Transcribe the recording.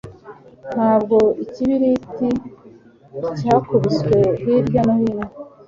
Ntabwo ikibiriti cyakubiswe hirya no hino